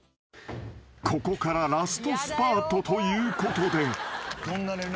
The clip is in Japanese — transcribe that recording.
［ここからラストスパートということで］